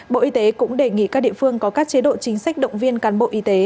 bộ y tế cũng đề nghị các địa phương có các chế độ chính sách động viên cán bộ y tế